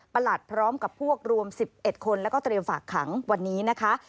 พร้อมกับพวกรวม๑๑คนแล้วก็เตรียมฝากขังวันนี้นะคะ